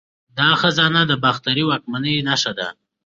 دا خزانه د باختري واکمنۍ نښه ده